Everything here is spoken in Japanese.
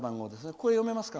これ、読めますか？